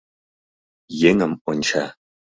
Еҥым онча.